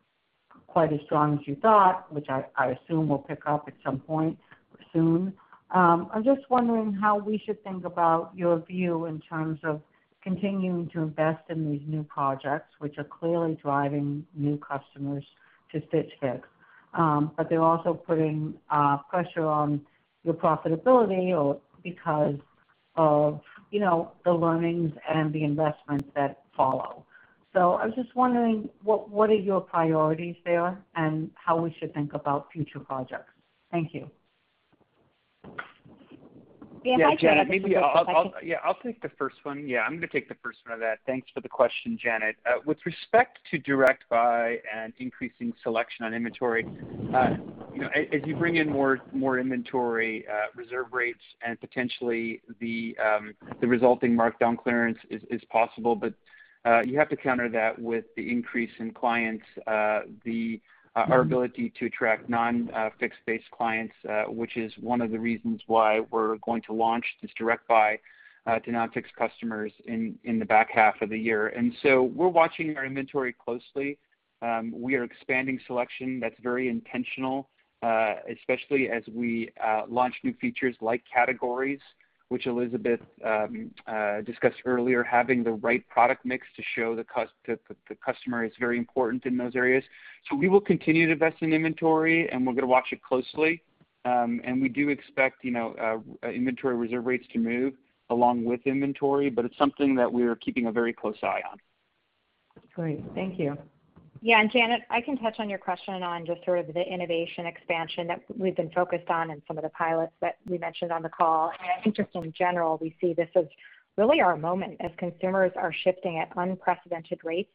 quite as strong as you thought, which I assume will pick up at some point soon. I'm just wondering how we should think about your view in terms of continuing to invest in these new projects, which are clearly driving new customers to Stitch Fix. They're also putting pressure on your profitability because of the learnings and the investments that follow. I was just wondering what are your priorities there, and how we should think about future projects. Thank you. Dan, I can add just a quick- Yeah, I'll take the first one. Yeah, I'm going to take the first one of that. Thanks for the question, Janet. With respect to Direct Buy and increasing selection on inventory, as you bring in more inventory, reserve rates, and potentially the resulting markdown clearance is possible. You have to counter that with the increase in clients, our ability to attract non-Fix base clients, which is one of the reasons why we're going to launch this Direct Buy to non-Fix customers in the back half of the year. We're watching our inventory closely. We are expanding selection. That's very intentional, especially as we launch new features like categories, which Elizabeth discussed earlier. Having the right product mix to show the customer is very important in those areas. We will continue to invest in inventory, and we're going to watch it closely. We do expect inventory reserve rates to move along with inventory, but it's something that we are keeping a very close eye on. Great. Thank you. Yeah. Janet, I can touch on your question on just sort of the innovation expansion that we've been focused on and some of the pilots that we mentioned on the call. I think just in general, we see this as really our moment as consumers are shifting at unprecedented rates,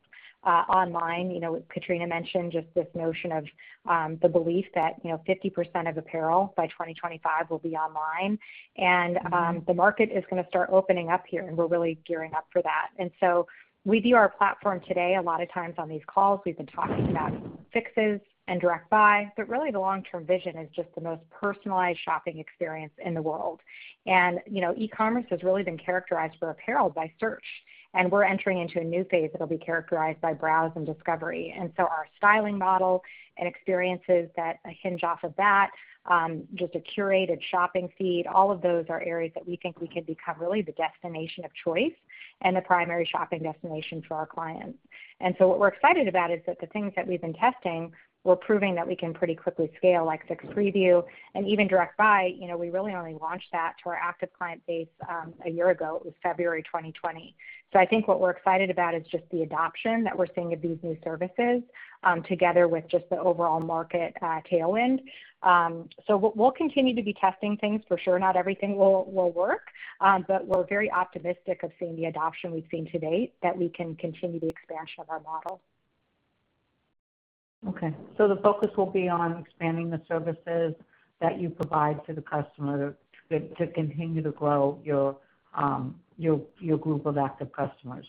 online. Katrina mentioned just this notion of the belief that 50% of apparel by 2025 will be online. The market is going to start opening up here, and we're really gearing up for that. We view our platform today, a lot of times on these calls, we've been talking about Fixes and Direct Buy, but really the long-term vision is just the most personalized shopping experience in the world. E-commerce has really been characterized for apparel by search, and we're entering into a new phase that'll be characterized by browse and discovery. Our styling model and experiences that hinge off of that, just a curated shopping feed, all of those are areas that we think we could become really the destination of choice and the primary shopping destination for our clients. What we're excited about is that the things that we've been testing, we're proving that we can pretty quickly scale, like Fix Preview and even Direct Buy. We really only launched that to our active client base, a year ago. It was February 2020. I think what we're excited about is just the adoption that we're seeing of these new services, together with just the overall market tailwind. We'll continue to be testing things for sure. Not everything will work, but we're very optimistic of seeing the adoption we've seen to date, that we can continue the expansion of our model. Okay. The focus will be on expanding the services that you provide to the customer to continue to grow your group of active customers.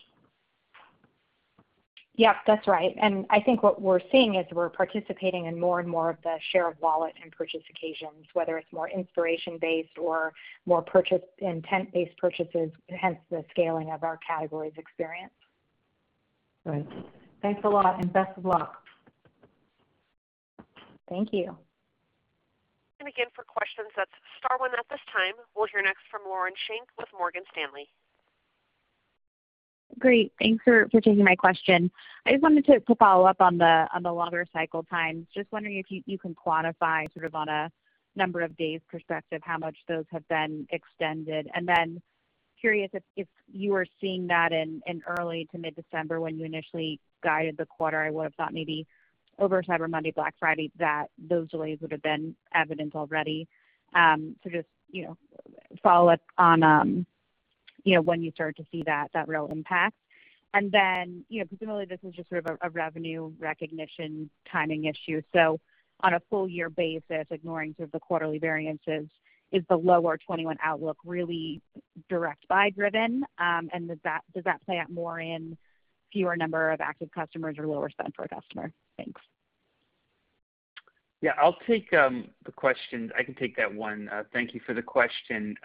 Yep, that's right. I think what we're seeing is we're participating in more and more of the share of wallet and purchase occasions, whether it's more inspiration based or more intent-based purchases, hence the scaling of our categories experience. Great. Thanks a lot, and best of luck. Thank you. We'll hear next from Lauren Schenk with Morgan Stanley. Great. Thanks for taking my question. I just wanted to follow up on the longer cycle times. Just wondering if you can quantify sort of on a number of days perspective, how much those have been extended. Curious if you are seeing that in early to mid-December when you initially guided the quarter. I would've thought maybe over Cyber Monday, Black Friday, that those delays would've been evident already. Just follow up on when you start to see that real impact. Presumably this is just sort of a revenue recognition timing issue. On a full year basis, ignoring sort of the quarterly variances, is the lower 2021 outlook really Direct Buy driven? Does that play out more in fewer number of active customers or lower spend per customer? Thanks. Yeah, I'll take the question. I can take that one. Thank you for the question.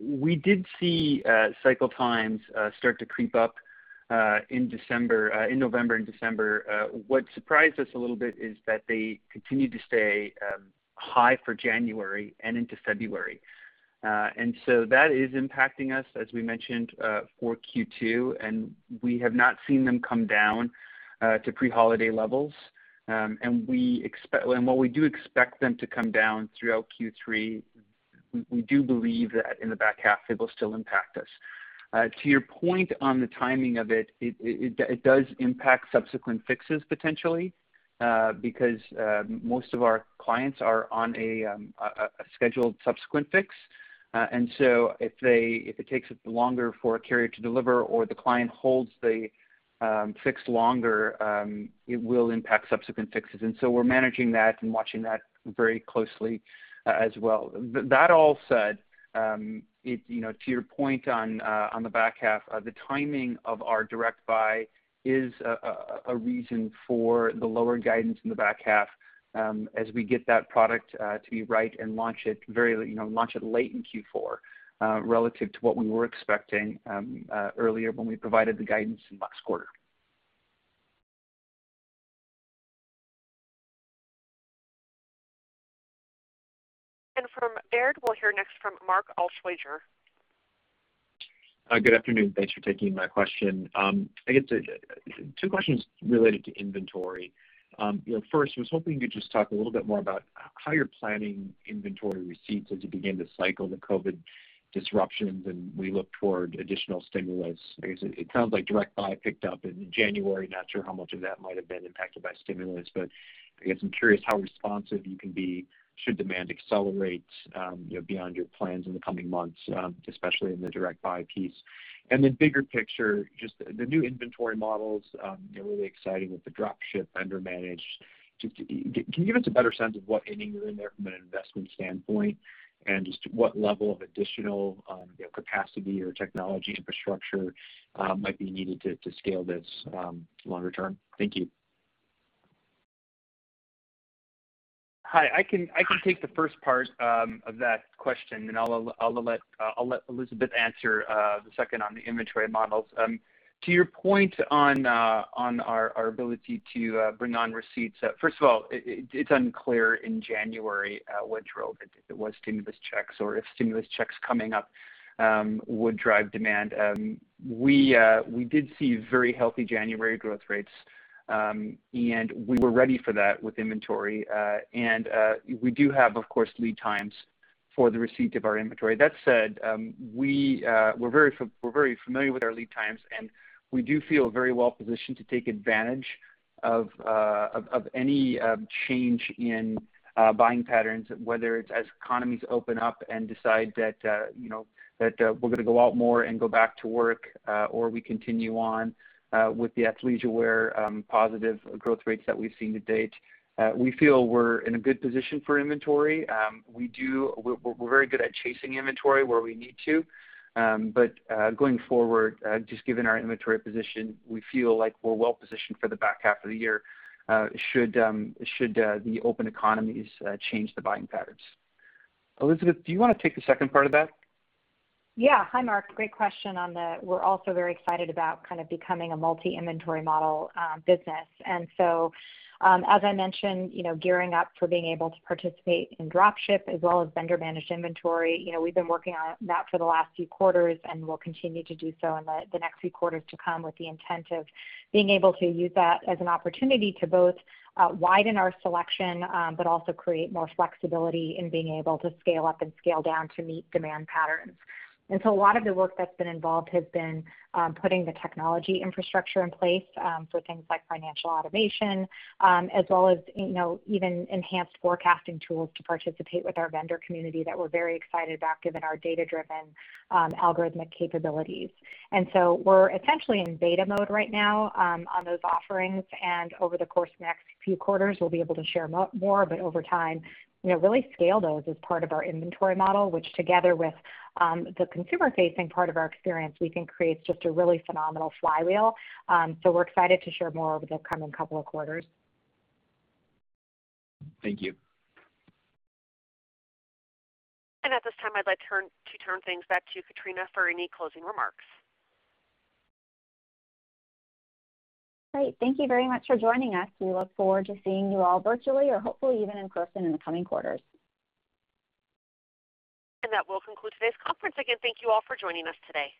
We did see cycle times start to creep up in November and December. What surprised us a little bit is that they continued to stay high for January and into February. That is impacting us, as we mentioned, for Q2, and we have not seen them come down to pre-holiday levels. While we do expect them to come down throughout Q3, we do believe that in the back half it will still impact us. To your point on the timing of it does impact Subsequent Fixes potentially, because most of our clients are on a scheduled Subsequent Fix. If it takes it longer for a carrier to deliver or the client holds the Fix longer, it will impact Subsequent Fixes. We're managing that and watching that very closely as well. That all said, to your point on the back half, the timing of our Direct Buy is a reason for the lower guidance in the back half, as we get that product to be right and launch it late in Q4, relative to what we were expecting earlier when we provided the guidance in last quarter. From Baird, we'll hear next from Mark Altschwager. Good afternoon. Thanks for taking my question. I guess two questions related to inventory. First, I was hoping you could just talk a little bit more about how you're planning inventory receipts as you begin to cycle the COVID disruptions and we look toward additional stimulus. I guess it sounds like Direct Buy picked up in January, not sure how much of that might've been impacted by stimulus, but I guess I'm curious how responsive you can be should demand accelerate beyond your plans in the coming months, especially in the Direct Buy piece. The bigger picture, just the new inventory models, really exciting with the drop-ship vendor-managed. Can you give us a better sense of what inning you're in there from an investment standpoint? Just what level of additional capacity or technology infrastructure might be needed to scale this longer term? Thank you. Hi, I can take the first part of that question, then I'll let Elizabeth answer the second on the inventory models. To your point on our ability to bring on receipts, first of all, it's unclear in January, what drove it. If it was stimulus checks or if stimulus checks coming up would drive demand. We did see very healthy January growth rates, and we were ready for that with inventory. We do have, of course, lead times for the receipt of our inventory. That said, we're very familiar with our lead times, and we do feel very well positioned to take advantage of any change in buying patterns, whether it's as economies open up and decide that we're going to go out more and go back to work, or we continue on with the athleisure wear positive growth rates that we've seen to date. We feel we're in a good position for inventory. We're very good at chasing inventory where we need to. Going forward, just given our inventory position, we feel like we're well positioned for the back half of the year, should the open economies change the buying patterns. Elizabeth, do you want to take the second part of that? Yeah. Hi, Mark. Great question. We're also very excited about kind of becoming a multi-inventory model business. As I mentioned, gearing up for being able to participate in drop-ship as well as vendor-managed inventory. We've been working on that for the last few quarters, and we'll continue to do so in the next few quarters to come with the intent of being able to use that as an opportunity to both widen our selection, but also create more flexibility in being able to scale up and scale down to meet demand patterns. A lot of the work that's been involved has been putting the technology infrastructure in place for things like financial automation, as well as even enhanced forecasting tools to participate with our vendor community that we're very excited about given our data-driven algorithmic capabilities. We're essentially in beta mode right now on those offerings, and over the course of next few quarters, we'll be able to share more, but over time, really scale those as part of our inventory model, which together with the consumer facing part of our experience, we think creates just a really phenomenal flywheel. We're excited to share more over the coming couple of quarters. Thank you. At this time, I'd like to turn things back to Katrina for any closing remarks. Great. Thank you very much for joining us. We look forward to seeing you all virtually or hopefully even in person in the coming quarters. That will conclude today's conference. Again, thank you all for joining us today.